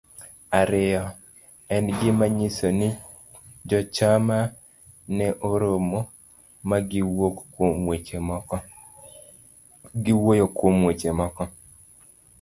ariyo. En gima nyiso ni jochama ne oromo, ma giwuoyo kuom weche moko,